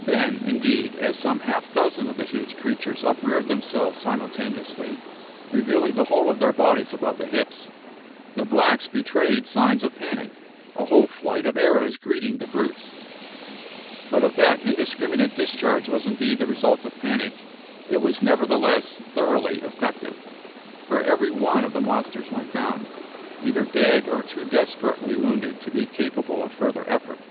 Then, indeed, as some half dozen of the huge creatures upreared themselves simultaneously, revealing the whole of their bodies above the hips, the blacks betrayed signs of panic, a whole flight of arrows greeting the brutes. But if that indiscriminate discharge was indeed the result of panic it was nevertheless thoroughly effective, for every one of the monsters went down, either dead or too desperately wounded to be capable of further effort.